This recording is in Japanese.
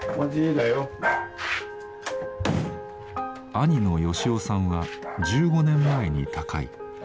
兄の良雄さんは１５年前に他界。